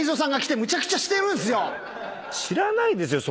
知らないですよ